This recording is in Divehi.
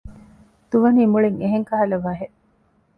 ދުވަނީ މުޅިން އެހެން ކަހަލަ ވަހެއް